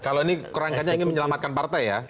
kalau ini kerangkanya ingin menyelamatkan partai ya